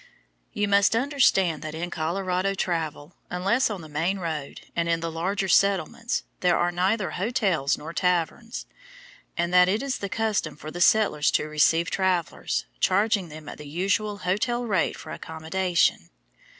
You must understand that in Colorado travel, unless on the main road and in the larger settlements, there are neither hotels nor taverns, and that it is the custom for the settlers to receive travelers, charging them at the usual hotel rate for accommodation.